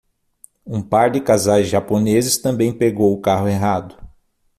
Um par de casais japoneses também pegou o carro errado